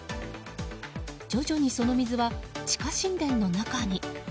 徐々にその水は地下神殿の中に。